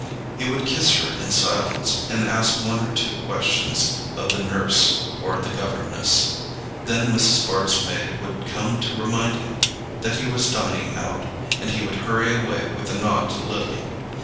He would kiss her in silence, and ask one or two questions of the nurse or the governess; then Mrs. Bart's maid would come to remind him that he was dining out, and he would hurry away with a nod to Lily.